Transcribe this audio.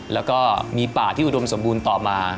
แล้วก็มีป่าที่อุดมสมบูรณ์ต่อมา